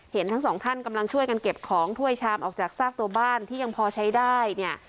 ทั้งสองท่านกำลังช่วยกันเก็บของถ้วยชามออกจากซากตัวบ้านที่ยังพอใช้ได้เนี่ย